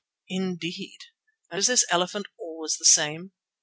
"Indeed, and is this elephant always the same?"